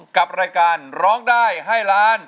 กับรายการร้องได้ให้ล้าน